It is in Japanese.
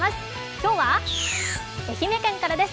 今日は愛媛県からです。